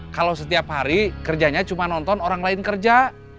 kalau setiap hari kerjanya cuma nonton orang lain kerja